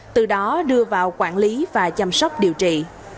từ đó đưa vào quản lý và chăm sóc điều trị